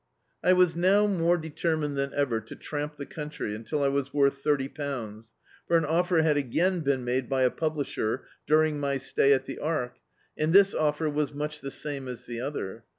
I was more determined than ever to tramp the country until I was worth thirty pounds, for an offer had again been made by a publisher, during my stay at the Ark, and this offer was much the same as the other.